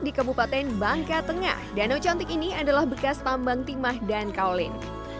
di kabupaten bangka tengah danau cantik ini adalah bekas tambang timah dan kaulin